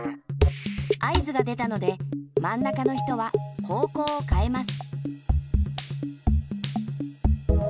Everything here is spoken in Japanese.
合図がでたのでまん中の人は方こうをかえます。